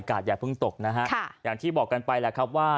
อย่าเพิ่งตกนะฮะอย่างที่บอกกันไปแหละครับว่า